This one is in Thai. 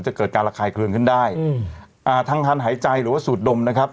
มันจะเกิดการระคายเคลืองขึ้นได้ทางทานหายใจหรือว่าสูตรดมนะครับ